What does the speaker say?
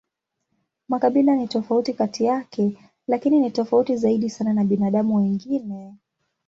Makabila ni tofauti kati yake, lakini ni tofauti zaidi sana na binadamu wengine.